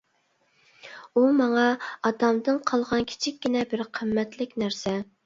ئۇ ماڭا ئاتامدىن قالغان كىچىككىنە بىر قىممەتلىك نەرسە.